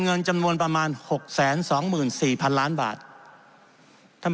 เงินจำนวนประมาณหกแสนสองหมื่นสี่พันล้านบาทท่าน